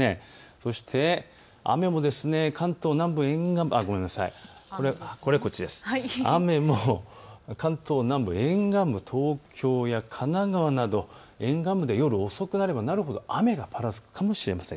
そして雨も関東南部、沿岸部、東京や神奈川など沿岸部で夜遅くなればなるほど雨を降らすかもしれません。